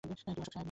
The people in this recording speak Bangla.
তুই অশোক সাহেব না।